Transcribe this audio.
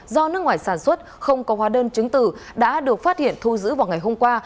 do nước ngoài sản xuất không có hóa đơn chứng tử đã được phát hiện thu giữ vào ngày hôm qua